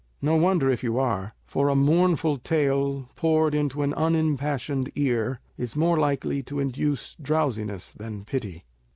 No wonder if you are; for a mournful tale poured into an unimpassioned ear is more likely to induce drowsiness than pity."